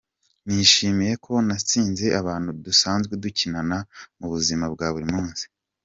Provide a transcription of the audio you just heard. Nishimiye ko natsinze abantu dusanzwe dukinana mu buzima bwa buri munsi.